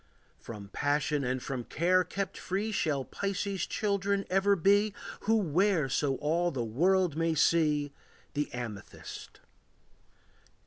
From passion and from care kept free Shall Pisces' children ever be Who wear so all the world may see The amethyst.